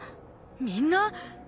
みんな！？